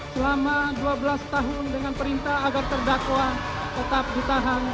selama dua belas tahun dengan perintah agar terdakwa tetap ditahan